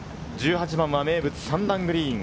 １８番は名物３段グリーン。